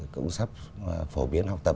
cũng sắp phổ biến học tập